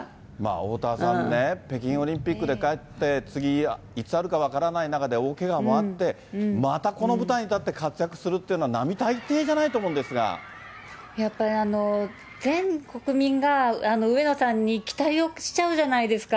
おおたわさんね、北京オリンピックで勝って、次いつあるか分からない中で、大けがもあって、またこの舞台に立って活躍するっていうのは並大抵じゃないと思うやっぱり全国民が、上野さんに期待をしちゃうじゃないですか。